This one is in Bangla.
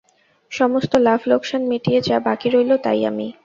সমস্ত লাভ-লোকসান মিটিয়ে যা বাকি রইল তাই আমি।